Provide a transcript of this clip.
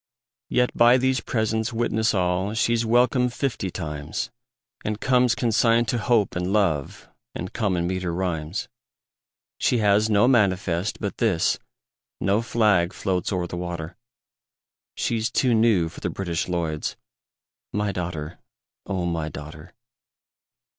Yet by these presents witness all She's welcome fifty times, And comes consigned to Hope and Love And common meter rhymes. She has no manifest but this, No flag floats o'er the water, She's too new for the British Lloyds My daughter, O my daughter!